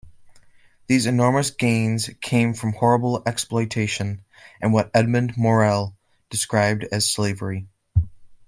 These enormous gains came from horrible exploitation, and what Edmund Morel described as slavery.